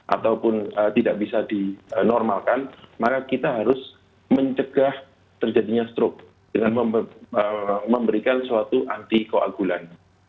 ataupun tidak bisa dinormalkan maka kita harus mencegah terjadinya stroke dengan memberikan suatu antikoagulan